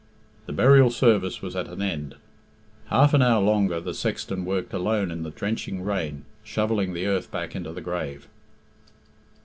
The burial service was at an end. Half an hour longer the sexton worked alone in the drenching rain, shovelling the earth back into the grave.